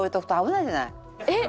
えっ！